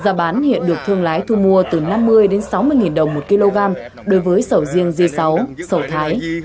giá bán hiện được thương lái thu mua từ năm mươi đến sáu mươi nghìn đồng một kg đối với sầu riêng g sáu sầu thái